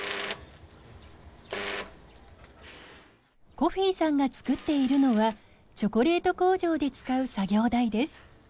コフィさんが作っているのはチョコレート工場で使う作業台です。